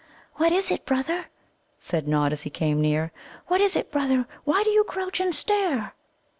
"What is it, brother?" said Nod, as he came near. "What is it, brother? Why do you crouch and stare?"